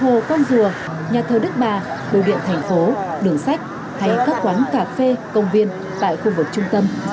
hồ công dùa nhà thờ đức bà bầu điện tp hcm đường sách hay các quán cà phê công viên tại khu vực trung tâm